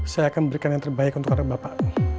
saya akan berikan yang terbaik untuk anak bapak